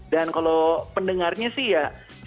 dan kalau pendengarnya sih ya